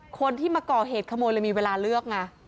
คนที่มาก่อเหตุขโมยเลยมีเวลาเลือกไง